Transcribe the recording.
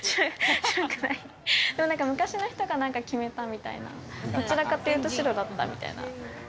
昔の人が決めたみたいな、どちらかというと白だったみたいな。